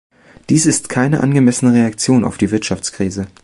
Dies ist keine angemessene Reaktion auf die Wirtschaftskrise.